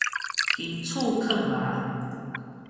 金厝囥媌